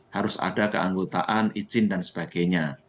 harus ada keanggotaan izin dan sebagainya